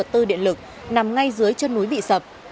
tư điện lực nằm ngay dưới chân núi bị sập